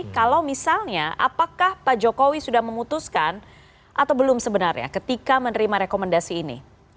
kalau misalnya apakah pak jokowi sudah memutuskan atau belum sebenarnya ketika menerima rekomendasi ini